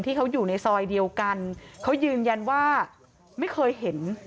ที่เขาอยู่ในซอยเดียวกันเขายืนยันว่าไม่เคยเห็น